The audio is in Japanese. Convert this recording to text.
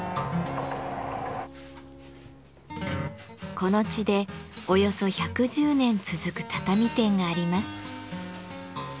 この地でおよそ１１０年続く畳店があります。